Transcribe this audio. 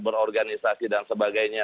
berorganisasi dan sebagainya